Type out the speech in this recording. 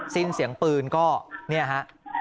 สิ้นเสียงปืนก็เนี่ยฮะ